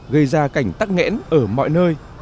gây ra cảnh tắc nghẽn ở mọi nơi